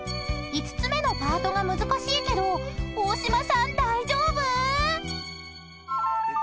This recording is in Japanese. ［５つ目のパートが難しいけど大島さん大丈夫⁉］